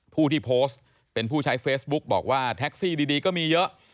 ผู้ที่โพสต์เป็นผู้ใช้เฟซบุ๊กบอกว่าแท็กซี่ดีก็มีเยอะ